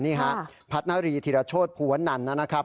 นี่ฮะพัฒนารีธิรโชธภูวนันนะครับ